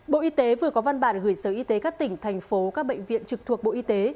bộ y tế vừa có văn bản gửi sở y tế các tỉnh thành phố các bệnh viện trực thuộc bộ y tế